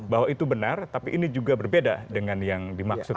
bahwa itu benar tapi ini juga berbeda dengan yang dimaksud